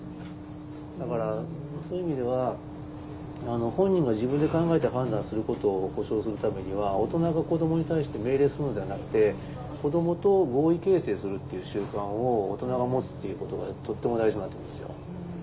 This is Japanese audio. だからそういう意味では本人が自分で考えて判断することを保障するためには大人が子どもに対して命令するのではなくて子どもと合意形成するっていう習慣を大人が持つっていうことがとっても大事になってくるんですよ。